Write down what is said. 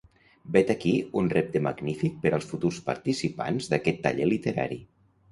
Vet aquí un repte magnífic per als futurs participants d'aquest taller literari.